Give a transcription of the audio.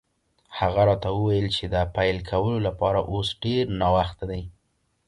هغه راته وویل چې د پیل کولو لپاره اوس ډېر ناوخته دی.